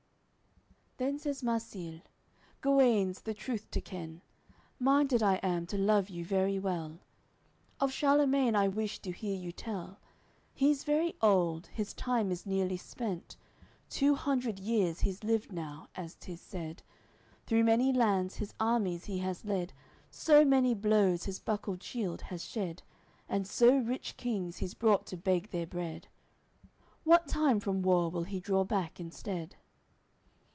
AOI. XL Then says Marsile "Guenes, the truth to ken, Minded I am to love you very well. Of Charlemagne I wish to hear you tell, He's very old, his time is nearly spent, Two hundred years he's lived now, as 'tis said. Through many lands his armies he has led, So many blows his buckled shield has shed, And so rich kings he's brought to beg their bread; What time from war will he draw back instead?"